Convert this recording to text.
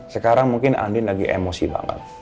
sekarang mungkin andi lagi emosi banget